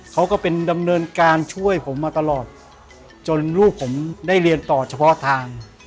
เขาก็เป็นดำเนินการช่วยผมมาตลอดจนลูกผมได้เรียนต่อเฉพาะทาง